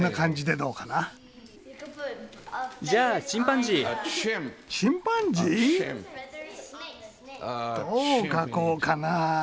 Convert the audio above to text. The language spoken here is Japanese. どう描こうかな？